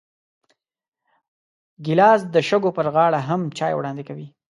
ګیلاس د شګو پر غاړه هم چای وړاندې کوي.